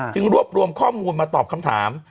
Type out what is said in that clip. รวบรวมข้อมูลมาตอบคำถาม